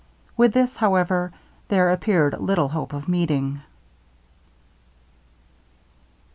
With this, however, there appeared little hope of meeting.